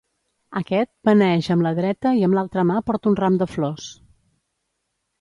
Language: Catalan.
Aquest, beneeix amb la dreta i amb l'altra mà porta un ram de flors.